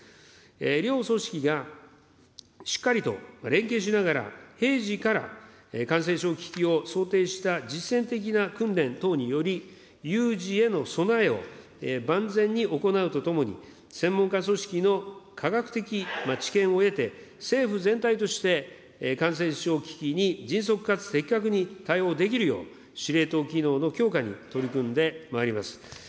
両組織が、しっかりと連携しながら、平時から感染症危機を想定した実践的な訓練等により、有事への備えを万全に行うとともに、専門家組織の科学的知見を得て、政府全体として感染症危機に迅速かつ的確に対応できるよう、司令塔機能の強化に取り組んでまいります。